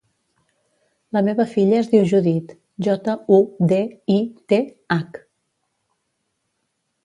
La meva filla es diu Judith: jota, u, de, i, te, hac.